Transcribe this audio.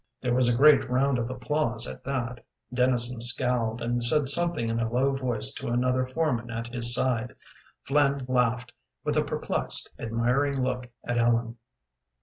There was a great round of applause at that. Dennison scowled and said something in a low voice to another foreman at his side. Flynn laughed, with a perplexed, admiring look at Ellen.